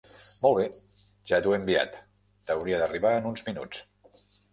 Molt bé, ja t'ho he enviat, t'hauria d'arribar en uns minuts.